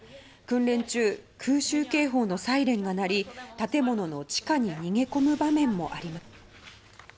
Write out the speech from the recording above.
訓練中空襲警報のサイレンが鳴り建物の地下に逃げ込む場面もありました。